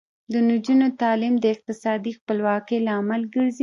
د نجونو تعلیم د اقتصادي خپلواکۍ لامل ګرځي.